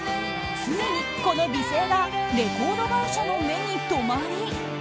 ついに、この美声がレコード会社の目に留まり